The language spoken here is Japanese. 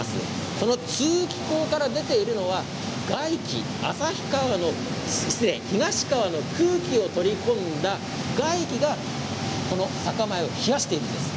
この通気口から出ているのは外気、東川の空気を取り込んだ外気がこの酒米を冷やしているんです。